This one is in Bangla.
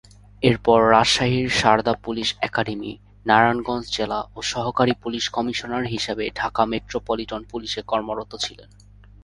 এরপর রাজশাহীর সারদা পুলিশ একাডেমি, নারায়ণগঞ্জ জেলা ও সহকারী পুলিশ কমিশনার হিসেবে ঢাকা মেট্রোপলিটন পুলিশ এ কর্মরত ছিলেন।